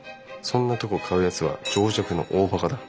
そんなとこ買うやつは情弱の大バカだ。